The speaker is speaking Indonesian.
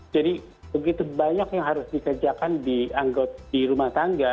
jadi begitu banyak yang harus dikerjakan di anggota rumah tangga